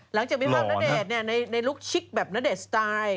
หลังจากมีภาพณเดชน์ในลุคชิคแบบณเดชน์สไตล์